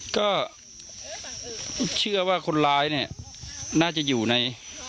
ก็เชื่อว่าคนร้ายเนี่ยน่าจะอยู่ใน